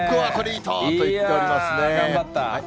頑張ったね。